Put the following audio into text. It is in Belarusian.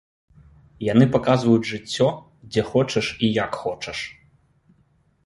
Яны паказваюць жыццё дзе хочаш і як хочаш.